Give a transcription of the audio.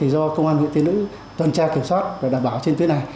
do công an huyện tiên lữ tuần tra kiểm soát và đảm bảo trên tuyến này